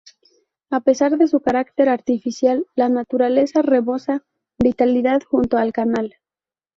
A pesar de su carácter artificial, la naturaleza rebosa vitalidad junto al canal.